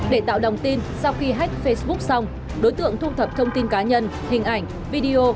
để tạo đồng tin sau khi hách facebook xong đối tượng thu thập thông tin cá nhân hình ảnh video